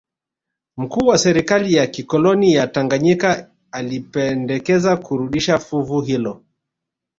Mkuu wa serikali ya kikoloni ya Tanganyika alipendekeza kurudisha fuvu hilo